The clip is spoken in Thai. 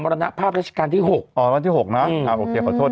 มรันภาพราชการที่หกอ๋อราชการที่หกนะอืมอ่าโอเคขอโทษ